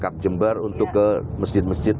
kami ke kab jember untuk ke masjid masjid